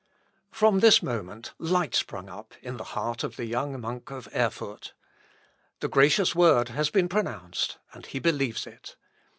From this moment light sprung up in the heart of the young monk of Erfurt. The gracious word has been pronounced, and he believes it.